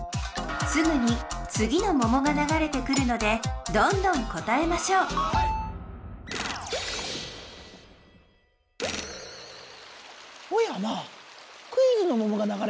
すぐにつぎのももがながれてくるのでどんどん答えましょうおやまあ。